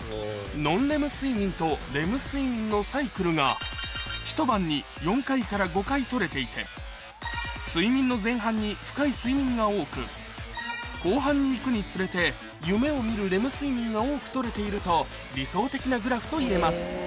ノンレム睡眠とレム睡眠のサイクルがひと晩に４回から５回とれていて睡眠の前半に深い睡眠が多く後半に行くにつれて夢を見るレム睡眠が多くとれていると理想的なグラフといえます